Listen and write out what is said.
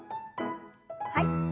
はい。